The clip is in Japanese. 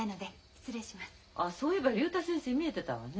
あそういえば竜太先生見えてたわね。